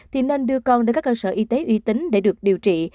thì nên đưa con đến các cơ sở y tế uy tín để được điều trị